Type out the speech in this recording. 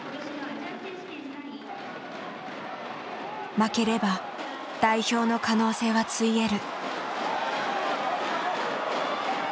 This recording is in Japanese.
負ければ代表の可能性はついえる。